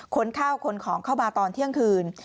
ข้าวขนของเข้ามาตอนเที่ยงคืน